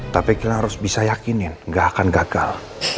tapi kalian harus bisa yakinin gak akan gagal